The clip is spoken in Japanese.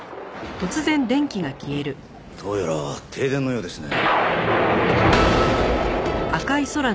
どうやら停電のようですね。